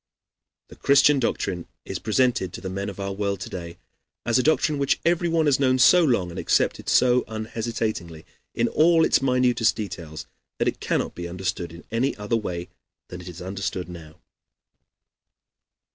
The Christian doctrine is presented to the men of our world to day as a doctrine which everyone has known so long and accepted so unhesitatingly in all its minutest details that it cannot be understood in any other way than it is understood now.